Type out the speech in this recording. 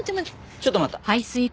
ちょっと待った。